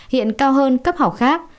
hiện cao hơn cấp học khác